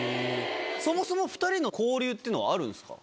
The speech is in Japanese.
そもそも２人の交流っていうのはあるんですか？